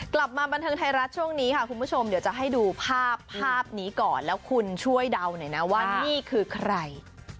กลับมาบันเทิงไทยรัฐช่วงนี้ค่ะคุณผู้ชมเดี๋ยวจะให้ดูภาพภาพนี้ก่อนแล้วคุณช่วยเดาหน่อยนะว่านี่คือใคร